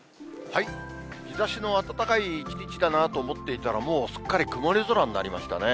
日ざしの暖かい一日だなと思っていたら、もうすっかり曇り空になりましたね。